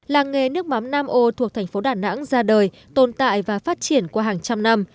làng nghề nước mắm nam âu thuộc thành phố đà nẵng ra đời tồn tại và phát triển qua hàng trăm năm